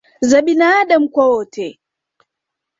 za binaadamu kwa wote